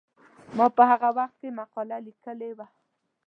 ما په هغه وخت کې مقاله لیکلې وه.